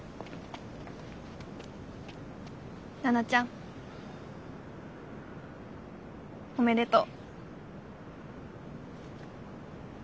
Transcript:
奈々ちゃんおめでとう。